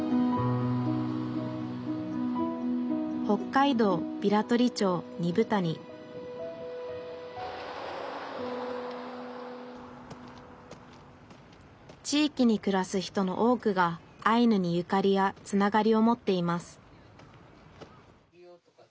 北海道平取町二風谷地域にくらす人の多くがアイヌにゆかりやつながりを持っています